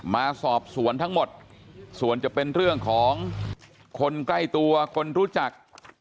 มาสอบสวนทั้งหมดส่วนจะเป็นเรื่องของคนใกล้ตัวคนรู้จัก